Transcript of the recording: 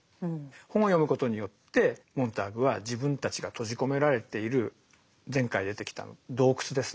本を読むことによってモンターグは自分たちが閉じ込められている前回出てきた「洞窟」ですね。